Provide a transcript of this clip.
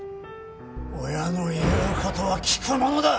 親の言う事は聞くものだ！